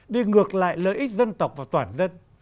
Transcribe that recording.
đi ngược lại lợi ích dân tộc và toàn dân